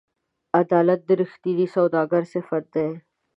عدالت د رښتیني سوداګر صفت دی.